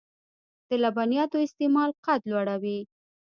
د لبنیاتو استعمال قد لوړوي .